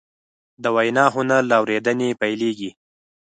د وینا هنر له اورېدنې پیلېږي